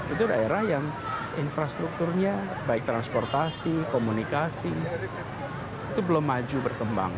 itu daerah yang infrastrukturnya baik transportasi komunikasi itu belum maju berkembang